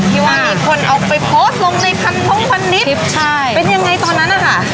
ที่ว่ามีคนเอาไปโพสต์ลงในพันท้องพันนิดใช่เป็นยังไงตอนนั้นนะคะ